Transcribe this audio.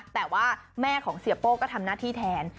แต่ว่าแม่ของเสียโป้ก็ทำหน้าที่แทน